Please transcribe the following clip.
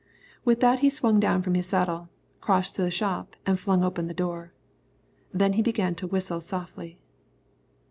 With that he swung down from his saddle, crossed to the shop, and flung open the door. Then he began to whistle softly.